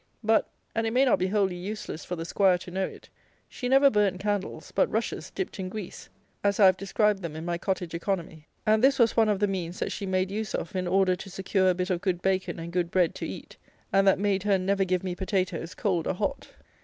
But (and it may not be wholly useless for the 'Squire to know it) she never burnt candles; but rushes dipped in grease, as I have described them in my Cottage Economy; and this was one of the means that she made use of in order to secure a bit of good bacon and good bread to eat, and that made her never give me potatoes, cold or hot.